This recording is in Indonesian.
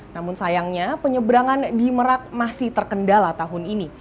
namun sayangnya penyeberangan di merak masih terkendala tahun ini